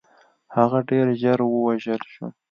هغه ډېر ژر ووژل شو.